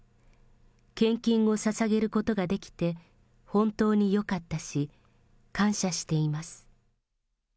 献金をささげることができて、本当によかったし、感謝しています。